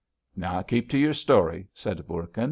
"Keep to your story," said Bourkin.